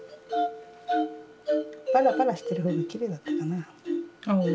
パラパラしてるほうがきれいだったかな。